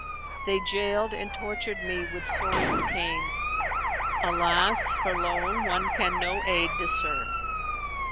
They jailed and tortured me with sorest pains: * Alas for lone one can no aid discern!